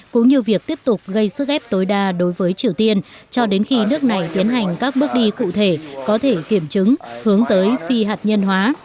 cũng như việc tiếp tục gây sức ép tối đa đối với triều tiên cho đến khi nước này tiến hành các bước đi cụ thể có thể kiểm chứng hướng tới phi hạt nhân hóa